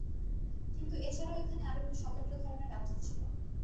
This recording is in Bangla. কিন্তু এছাড়াও এখানে আরো একটু স্বতন্ত্র ধরনের ব্যবস্থা ছিল।